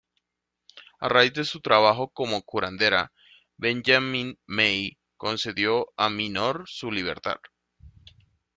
A raíz de su trabajo como curandera, Benjamin May concedió a Minor su libertad.